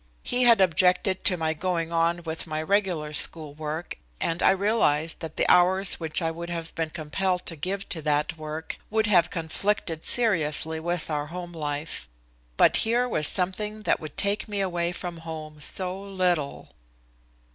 He had objected to my going on with my regular school work and I realized that the hours which I would have been compelled to give to that work would have conflicted seriously with our home life. But here was something that would take me away from home so little.